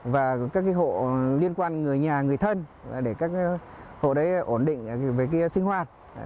và các hộ liên quan người nhà người thân để các hộ đấy ổn định về sinh hoạt